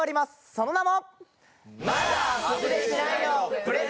その名も。